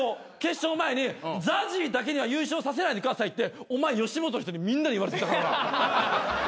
決勝の前に「ＺＡＺＹだけには優勝させないでください」ってお前吉本の人にみんなに言われてたからな。